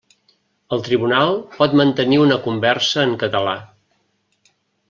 El tribunal pot mantenir una conversa en català.